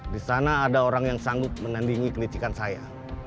di sana ada orang yang sanggup menandingi kelicikan saya